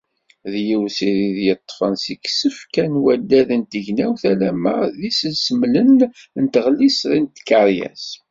D yiwet si tid i d-yeṭṭfen seg isefka n waddad n tegnawt alamma d isisemlen n tɣellist n tkeṛyas.